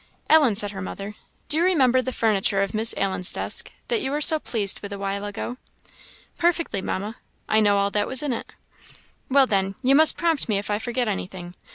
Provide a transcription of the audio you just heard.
"Ellen," said her mother, "do you remember the furniture of Miss Allen's desk, that you were so pleased with a while ago?" "Perfectly, Mamma; I know all that was in it." "Well, then, you must prompt me if I forget anything.